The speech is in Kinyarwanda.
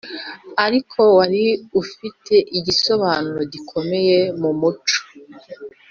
ariko wari ufite igisobanuro gikomeye mu muco.